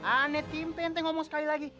aneh timpen teng omong sekali lagi